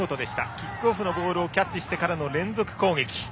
キックオフのボールをキャッチしてからの連続攻撃。